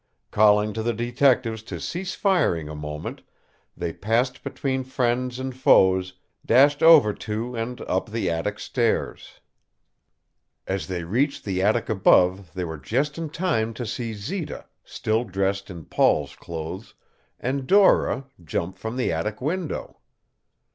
Calling to the detectives to cease firing a moment, they passed between friends and foes, dashed over to and up the attic stairs. As they reached the attic above they were just in time to see Zita, still dressed in Paul's clothes, and Dora, jump from the attic window.